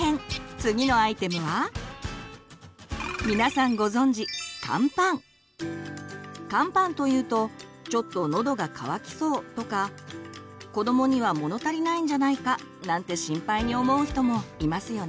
次のアイテムは皆さんご存じカンパンというと「ちょっとのどが渇きそう」とか「子どもには物足りないんじゃないか」なんて心配に思う人もいますよね。